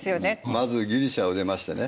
まずギリシアを出ましてね